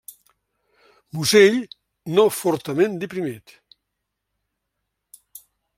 Musell no fortament deprimit.